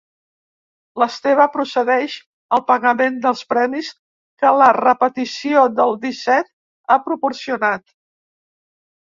L'Esteve procedeix al pagament dels premis que la repetició del disset ha proporcionat.